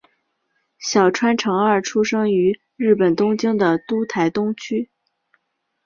小川诚二出生于日本东京都台东区。